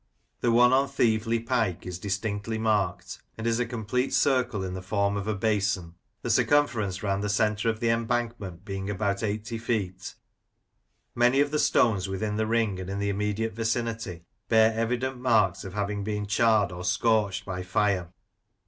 The one on Thieveley Pike is distinctly marked, and is a complete circle in the form of a basin, the circumference round the centre of the embankment being about eighty feet; many of the stones within the ring and in the im mediate vicinity bear evident marks of having been charred or scorched by fire.